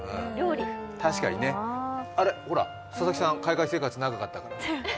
確かにね、ほら、佐々木さん、海外生活長かったから。